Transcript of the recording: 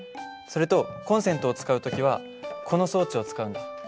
それとコンセントを使う時はこの装置を使うんだ。